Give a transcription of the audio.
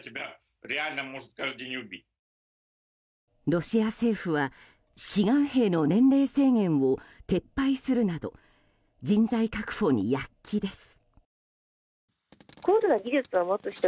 ロシア政府は志願兵の年齢制限を撤廃するなど人材確保に躍起です。